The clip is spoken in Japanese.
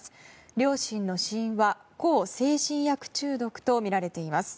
両親の死因は向精神薬中毒とみられています。